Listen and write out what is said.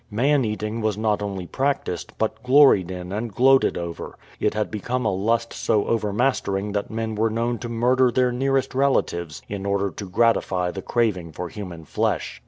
Man eating was not only practised, but gloried in and gloated over. It had become a lust so overmastering that men were known to mm'der their nearest relatives in order to gratify the craving for human flesh.